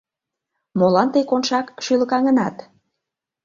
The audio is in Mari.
— Молан тый, Коншак, шӱлыкаҥынат?